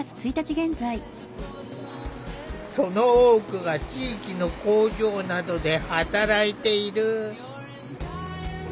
その多くが地域の工場などで働いている。